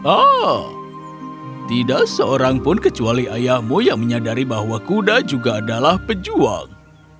ah tidak seorang pun kecuali ayahmu yang menyadari bahwa kuda juga adalah pejuang